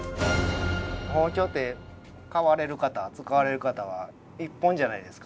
包丁って買われる方使われる方は一本じゃないですか。